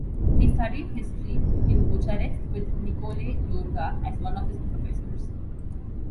He studied history in Bucharest, with Nicolae Iorga as one of his professors.